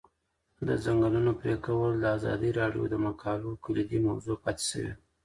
د ځنګلونو پرېکول د ازادي راډیو د مقالو کلیدي موضوع پاتې شوی.